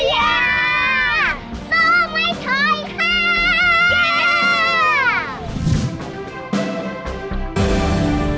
สู้ไม่ท้ายค่ะ